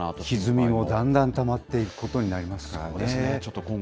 ひずみもだんだんたまっていくことになりますからね。